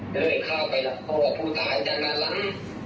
เลยเข้าไปหลับข้อผู้ตายจากนั้นล้ำ